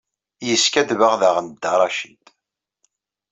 Yeskaddeb-aɣ daɣen Dda Racid.